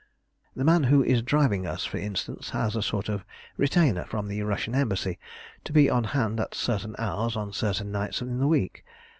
"The man who is driving us, for instance, has a sort of retainer from the Russian Embassy to be on hand at certain hours on certain nights in the week.